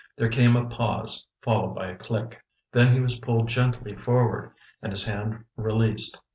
There came a pause, followed by a click. Then he was pulled gently forward and his hand released.